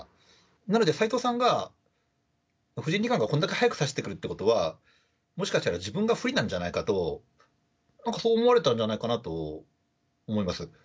なので斎藤さんは、藤井二冠がこれだけ早く指してくるっていうことは、もしかしたら自分が不利なんじゃないかと、なんかそう思われたんじゃないかなと思います。